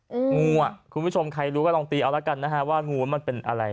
งูอ่ะคุณผู้ชมใครรู้ก็ลองตีเอาแล้วกันนะฮะว่างูมันเป็นอะไร